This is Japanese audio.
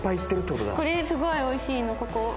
これすごい美味しいのここ。